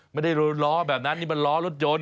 ไม่ได้ล้อแบบนั้นนี่มันล้อรถยนต์